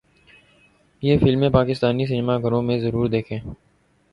یہ فلمیں پاکستانی سینما گھروں میں ضرور دیکھیں